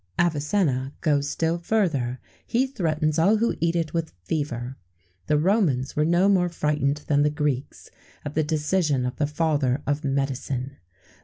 [XVII 43] Avicenna goes still further: he threatens all who eat it with fever.[XVII 44] The Romans were no more frightened than the Greeks at the decision of the father of medicine.